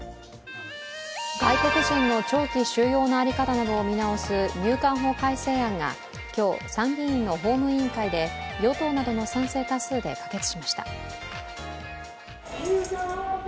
外国人の長期収容の在り方などを見直す入管法改正案が今日、参議院の法務委員会で与党などの賛成多数で可決しました。